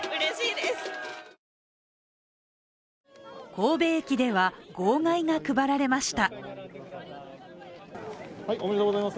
神戸駅では、号外が配られました。